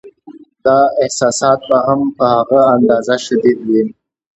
دا احساسات به هم په هغه اندازه شدید وي.